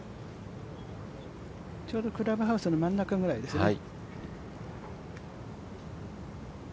ちょうどクラブハウスの真ん中ぐらいですね。